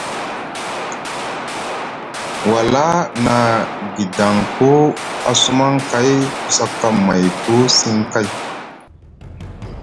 Wala na guidaŋku a sumaŋ kay ku saka mayku siŋ kay.